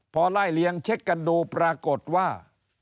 พอไล่เลี้ยงเช็คกันดูปรากฏว่า